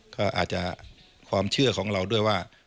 ก็อาจจะความเชื่อของเราด้วยว่า